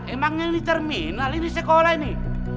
emangnya ini terminal ini sekolah ini